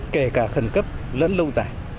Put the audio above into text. kể cả khẩn cấp lẫn lâu dài